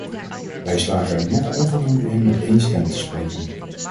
Wij slagen er nog onvoldoende in met één stem te spreken.